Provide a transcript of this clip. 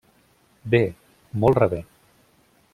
Bé. Molt rebé.